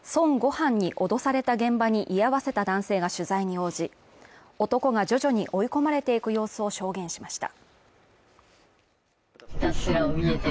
飯に脅された現場に居合わせた男性が取材に応じ、男が徐々に追い込まれていく様子を証言しました。